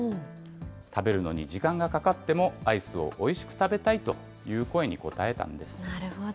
食べるのに時間がかかっても、アイスをおいしく食べたいという声に応えたんです。